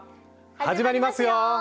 始まりますよ！